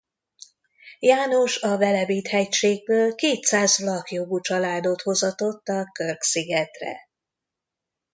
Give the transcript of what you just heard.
János a Velebit-hegységből kétszáz vlach jogú családot hozatott a Krk-szigetre.